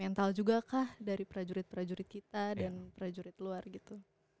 mental juga kah dari prajurit prajurit kita dan prajurit luar gitu